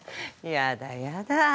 やだやだ